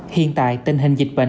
hiện tại tình hình dịch bệnh